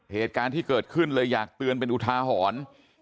เหตุการณ์ที่เกิดขึ้นเลยอยากเตือนเป็นอุทาหรณ์